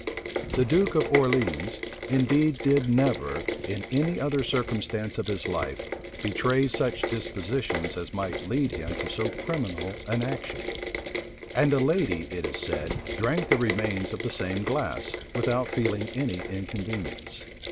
The duke of Orleans indeed did never, in any other circumstance of his life, betray such dispositions as might lead him to so criminal an action; and a lady, it is said, drank the remains of the same glass, without feeling any inconvenience.